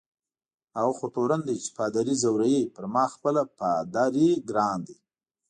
هغه خو تورن دی چي پادري ځوروي، پر ما خپله پادر ګران دی.